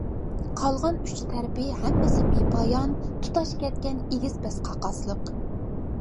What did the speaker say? قالغان ئۈچ تەرىپى ھەممىسى بىپايان، تۇتاش كەتكەن ئېگىز-پەس قاقاسلىق.